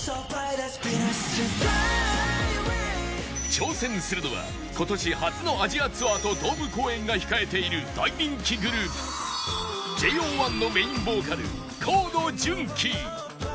挑戦するのは今年初のアジアツアーとドーム公演が控えている大人気グループ ＪＯ１ のメインボーカル河野純喜